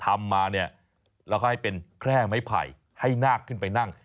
ทำมาเนี่ยแล้วก็ให้เป็นแคร่ไม้ไผ่ให้นาคขึ้นไปนั่ง